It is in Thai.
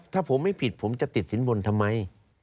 ถ้าผมไม่ผิดผมจะติดสินบนทำไม